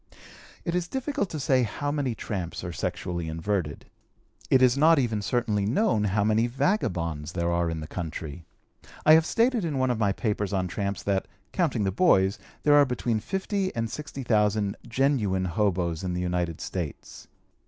It is difficult to say how many tramps are sexually inverted. It is not even certainly known how many vagabonds there are in the country. I have stated in one of my papers on tramps that, counting the boys, there are between fifty and sixty thousand genuine hoboes in the United States.